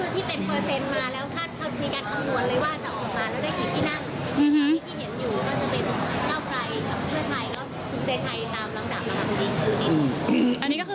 ยังไม่เห็น